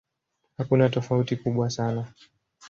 Hakuna tofauti kubwa sana.